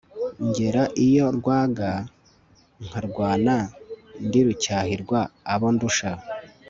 ngera iyo rwaga nkarwana ndi Rucyahirwa abo ndusha